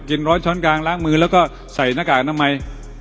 ถ้ากินร้อนช้อนกางล้างมือแล้วก็ใส่หน้ากากน้ำไม้